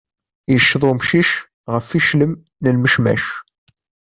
Yecceḍ umcic ɣef yiclem n lmecmac.